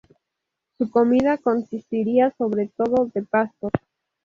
Su comida consistiría sobre todo de pastos.